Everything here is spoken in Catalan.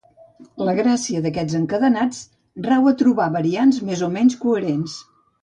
La gràcia d'aquests encadenats rau a trobar variants més o menys coherents.